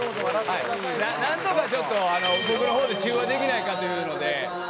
「なんとかちょっと僕の方で中和できないかというので」